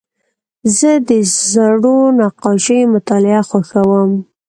زه د زړو نقاشیو مطالعه خوښوم.